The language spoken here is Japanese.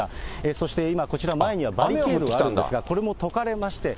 そして今、こちら前にはバリケードがあるんですが、これも解かれまして。